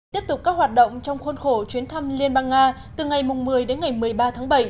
tiếp tục các hoạt động trong khuôn khổ chuyến thăm liên bang nga từ ngày một mươi đến ngày một mươi ba tháng bảy